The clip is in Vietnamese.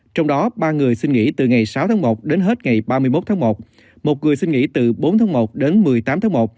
trong đó ba người xin nghỉ từ ngày sáu tháng một đến hết ngày ba mươi một tháng một một người xin nghỉ từ bốn tháng một đến một mươi tám tháng một